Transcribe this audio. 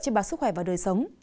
trên bản sức khỏe và đời sống